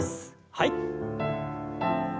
はい。